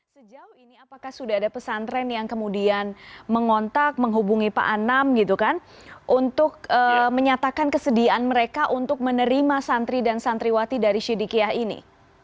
sejauh ini apakah sudah ada pesantren yang kemudian mengontak menghubungi pak anam gitu kan untuk menyatakan kesediaan mereka untuk menerima santri dan santriwati dari syidikiyah ini